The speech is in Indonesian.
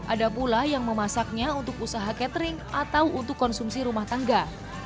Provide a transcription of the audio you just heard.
ada pula yang memasaknya untuk usaha catering atau untuk konsumsi rumah tangga